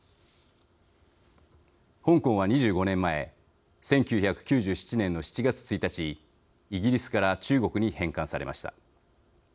香港は、２５年前１９９７年の７月１日イギリスから中国に返還されました。